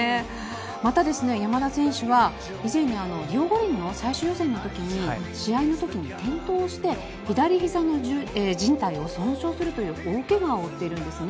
また山田選手は以前にリオ五輪の最終予選の時に試合の時に転倒をして左ひざのじん帯を損傷するという大怪我を負っているんですね。